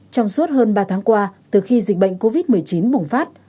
trong suốt hơn ba tháng qua từ khi dịch bệnh covid một mươi chín bùng phát